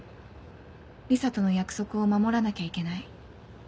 リサとの約束を守らなきゃいけない。